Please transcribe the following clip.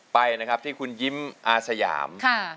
ไปนะครับที่คุณยิ้มอาสยาม